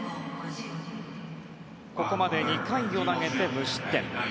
ここまで２回を投げて無失点。